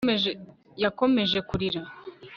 yakomeje kurira